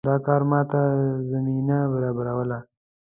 دا کار ماته زمینه برابروله.